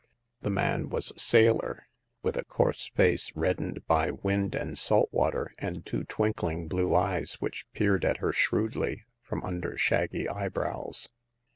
The man was a sailor, with a coarse face red dened by wind and salt water, and two twinkling blue eyes, which' peered at her shrewdly from under shaggy eyebrows.